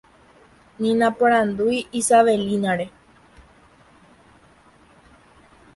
ni naporandúi Isabellina-re